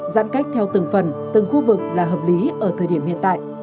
giãn cách theo từng phần từng khu vực là hợp lý ở thời điểm hiện tại